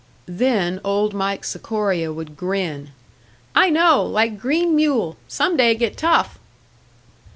Then old Mike Sikoria would grin. "I know. Like green mule! Some day get tough!"